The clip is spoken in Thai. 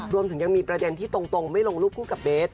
รวมถึงยังมีประเด็นที่ตรงไม่ลงรูปคู่กับเบส